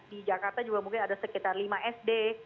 di jakarta juga mungkin ada sekitar lima sd